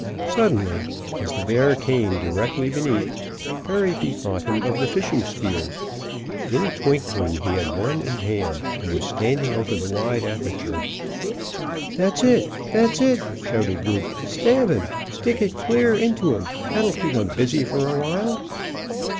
Suddenly, as the bear came directly beneath, Perry bethought him of the fish spears. In a twinkling he had one in hand, and was standing over the wide aperture. "That's it! That's it!" shouted Rufe. "Stab him! Stick it clear into him! That'll keep him busy for a while!"